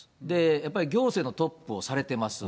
やっぱり、行政のトップもされてます。